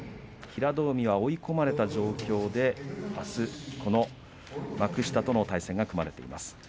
平戸海は追い込まれた状況であす幕下との対戦が組まれています。